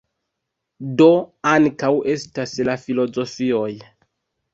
Do ankaŭ estas la filozofioj.